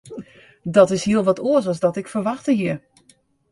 Dat is hiel wat oars as wat ik ferwachte hie.